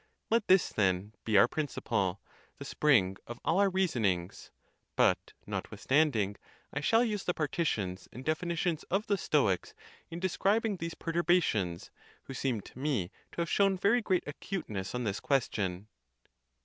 Let this, then, be our principle, the spring of all our rea sonings. But notwithstanding, I shall use the partitions and definitions of the Stoics in describing these perturba tions; who seem to me to have shown very great acute ness on this question.